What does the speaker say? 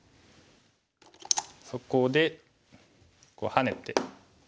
そこでハネて。